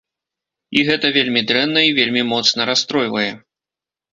І гэта вельмі дрэнна і вельмі моцна расстройвае.